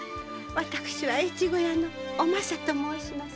私は越後屋のお政と申します。